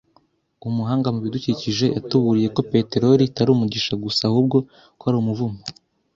Umuhanga mu bidukikije yatuburiye ko peteroli itari umugisha gusa ahubwo ko ari umuvumo.